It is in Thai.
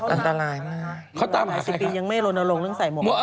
อันตรายมากเขาตามหาใครค่ะหลายสิบปีนยังไม่โรนโรงเรื่องใส่หมวก